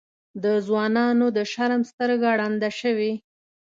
د ځوانانو د شرم سترګه ړنده شوې.